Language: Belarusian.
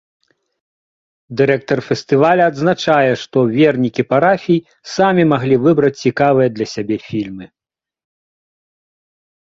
Дырэктар фестываля адзначае, што вернікі парафій самі маглі выбраць цікавыя для сябе фільмы.